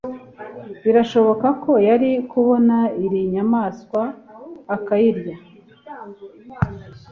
Birashoboka ko yari kubona iri nyamaswa akayirya